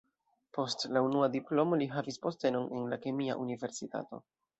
Post la unua diplomo li havis postenon en la kemia universitato.